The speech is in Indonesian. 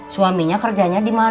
suaminya kerjanya di mana